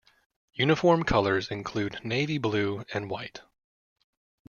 Uniform colors include navy blue, and white.